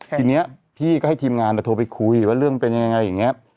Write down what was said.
ทีนี้พี่ก็ให้ทีมงานโทรไปคุยว่าเรื่องเป็นยังไงอย่างนี้